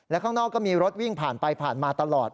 และข้างนอกก็มีรถวิ่งผ่านไปผ่านมาตลอด